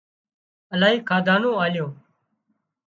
الاهي کاڌا نُون آليون